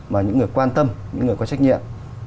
mà những người quan tâm những người có trách nhiệm